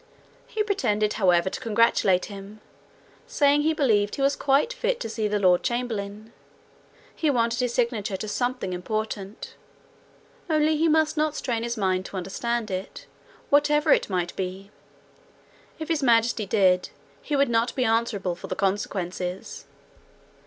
He pretended however to congratulate him, saying he believed he was quite fit to see the lord chamberlain: he wanted his signature to something important; only he must not strain his mind to understand it, whatever it might be: if His Majesty did, he would not be answerable for the consequences.